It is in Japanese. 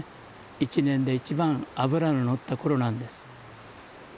１年で一番脂ののった頃なんです。